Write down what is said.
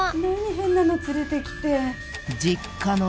変なの連れてきて」